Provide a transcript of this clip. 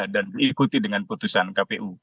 dan diikuti dengan putusan kpu